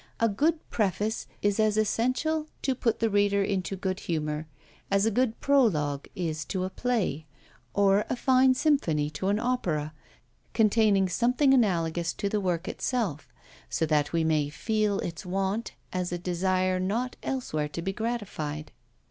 A good preface is as essential to put the reader into good humour, as a good prologue is to a play, or a fine symphony to an opera, containing something analogous to the work itself; so that we may feel its want as a desire not elsewhere to be gratified.